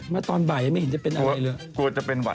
มาตอนบ่ายยังไม่เห็นจะเป็นอะไรเลยกลัวจะเป็นหวัด